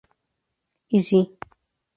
Y, si".